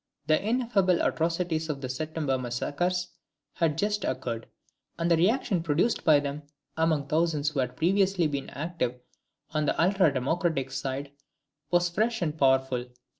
The ineffable atrocities of the September massacres had just occurred, and the reaction produced by them among thousands who had previously been active on the ultra democratic side, was fresh and powerful.